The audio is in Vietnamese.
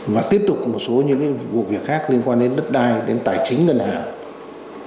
và tiếp tục một số những vụ việc khác liên quan đến đất đai đến tài chính ngân hàng